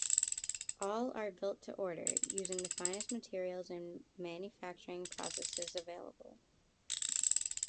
All are built to order, using the finest materials and manufacturing processes available.